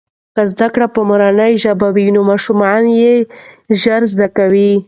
که زده کړې په مورنۍ ژبه وي نو ماشومان یې ژر زده کوي.